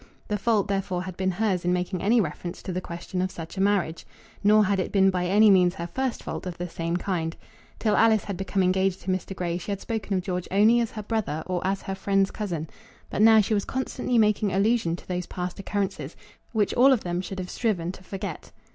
The fault, therefore, had been hers in making any reference to the question of such a marriage. Nor had it been by any means her first fault of the same kind. Till Alice had become engaged to Mr. Grey she had spoken of George only as her brother, or as her friend's cousin, but now she was constantly making allusion to those past occurrences, which all of them should have striven to forget.